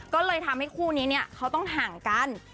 ก็เลยทำให้คู่นี้เนี่ยเขาต้องห่างกัน